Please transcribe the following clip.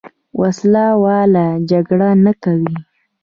وسله واله جګړه نه کوي.